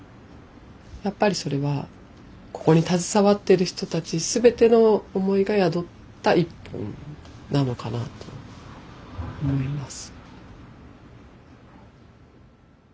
やっぱりそれはここに携わってる人たち全ての思いが宿った１本なのかなと思います。